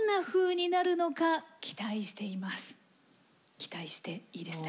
期待していいですね？